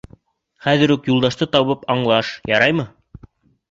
— Хәҙер үк Юлдашты табып аңлаш, яраймы?